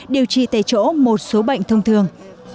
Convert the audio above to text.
điều trị tại chỗ một số bệnh thông thường